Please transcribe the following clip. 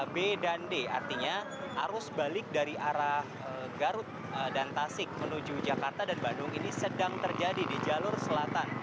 b dan d artinya arus balik dari arah garut dan tasik menuju jakarta dan bandung ini sedang terjadi di jalur selatan